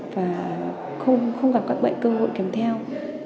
và không gặp các bệnh cơ hội kèm theo